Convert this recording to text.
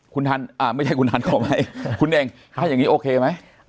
คุณทันอ่าไม่ใช่คุณทันขอไหมคุณเน่งให้อย่างนี้โอเคไหม